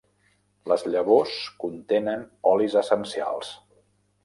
Les llavors contenen olis essencials.